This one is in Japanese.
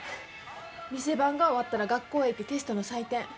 店番が終わったら学校へ行ってテストの採点。